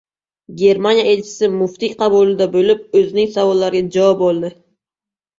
Germaniya elchisi muftiy qabulida bo‘lib, o‘zining savollariga javob oldi